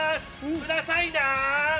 くださいな！